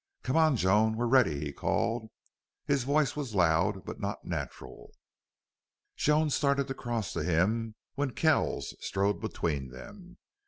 "Come on, Joan. We're ready," he called. His voice was loud, but not natural. Joan started to cross to him when Kells strode between them.